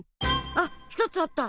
あっひとつあった。